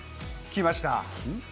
きました。